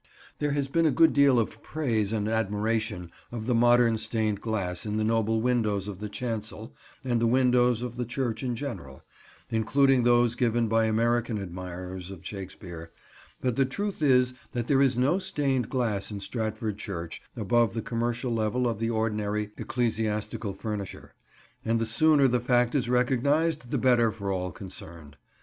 There has been a good deal of praise and admiration of the modern stained glass in the noble windows of the chancel and the windows of the church in general, including those given by American admirers of Shakespeare, but the truth is that there is no stained glass in Stratford church above the commercial level of the ordinary ecclesiastical furnisher, and the sooner the fact is recognised, the better for all concerned.